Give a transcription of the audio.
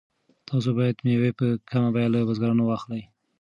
تاسو باید مېوې په کمه بیه له بزګرانو واخلئ.